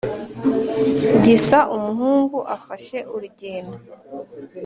gisa umuhungu afashe urugendo